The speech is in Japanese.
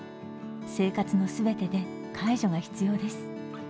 生活の全てで介助が必要です。